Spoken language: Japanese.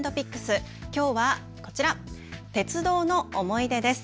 きょうはこちら、鉄道の思い出です。